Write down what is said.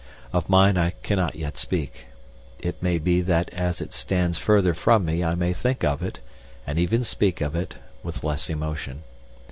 Of mine I cannot yet speak. It may be that as it stands further from me I may think of it, and even speak of it, with less emotion.